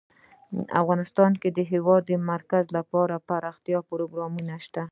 افغانستان کې د د هېواد مرکز لپاره دپرمختیا پروګرامونه شته.